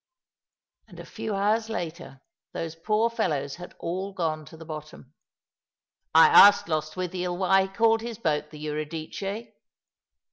And a few hours later these poor fellows had all gone to the bottom. I asked Lostwithiel why ho called, his boat the Eurydice.